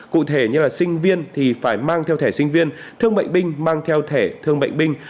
cụ thể như sinh viên thì phải mang theo thẻ sinh viên thương bệnh binh mang theo thẻ thương bệnh binh